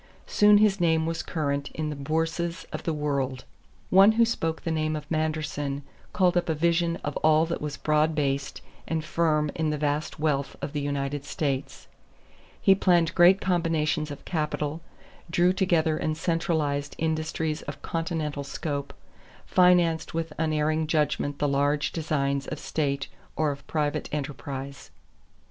Soon his name was current in the bourses of the world. One who spoke the name of Manderson called up a vision of all that was broad based and firm in the vast wealth of the United States. He planned great combinations of capital, drew together and centralized industries of continental scope, financed with unerring judgment the large designs of state or of private enterprise.